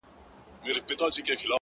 • چي د ښـكلا خبري پټي ساتي؛